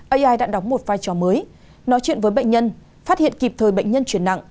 ai đã đóng một vai trò mới nói chuyện với bệnh nhân phát hiện kịp thời bệnh nhân chuyển nặng